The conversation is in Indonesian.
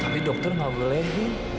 tapi dokter gak boleh